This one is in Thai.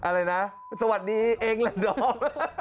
อะไรนะสวัสดีเองแหละน้อง